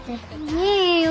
いいよ